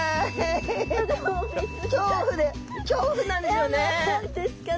恐怖で恐怖なんですよね。